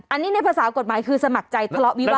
อันนี้ในภาษากฎหมายคือสมัครใจทะเลาะวิวาส